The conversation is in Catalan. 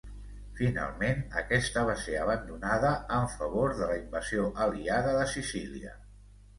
Finalment, aquesta va ser abandonada en favor de la invasió aliada de Sicília.